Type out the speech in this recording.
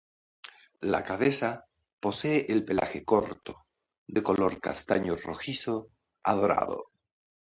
La cabeza posee el pelaje corto, de color castaño-rojizo a dorado.